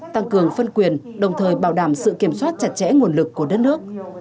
tăng cường phân quyền đồng thời bảo đảm sự kiểm soát chặt chẽ nguồn lực của đất nước